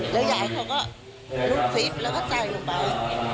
แล้วยายเขาก็ลุกฟิตแล้วก็จ่ายลงไป